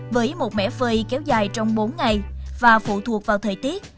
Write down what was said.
với một mẻ phơi kéo dài trong bốn ngày và phụ thuộc vào thời tiết